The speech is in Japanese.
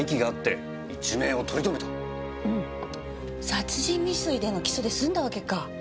殺人未遂での起訴で済んだわけか。